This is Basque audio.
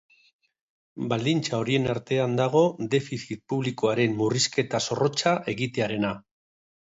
Baldintza horien artean dago defizit publikoaren murrizketa zorrotza egitearena.